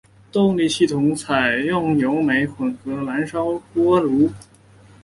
动力系统采用油煤混合燃烧型锅炉。